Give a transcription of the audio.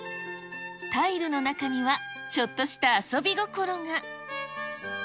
タイルの中にはちょっとした遊び心が。